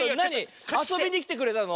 あそびにきてくれたの？